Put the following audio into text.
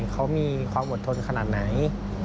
เขามีความอดทนขนาดไหน